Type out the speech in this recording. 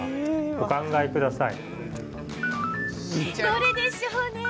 お考えください。